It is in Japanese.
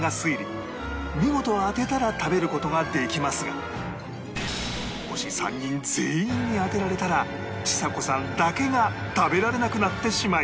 見事当てたら食べる事ができますがもし３人全員に当てられたらちさ子さんだけが食べられなくなってしまいます